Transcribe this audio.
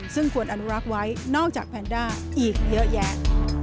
ซึ่งควรอนุรักษ์ไว้นอกจากแพนด้าอีกเยอะแยะ